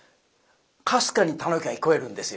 かすかに「田能久」が聞こえるんですよ。